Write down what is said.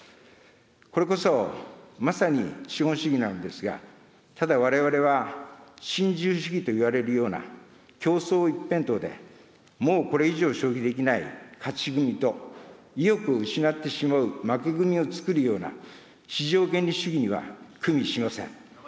これこそまさに資本主義なのですが、ただわれわれは、新自由主義といわれるような、競争一辺倒で、もうこれ以上消費できない勝ち組と、意欲を失ってしまう負け組をつくるような、市場原理主義にはくみしません。